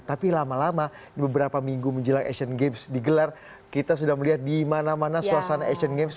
tapi lama lama di beberapa minggu menjelang asian games digelar kita sudah melihat di mana mana suasana asian games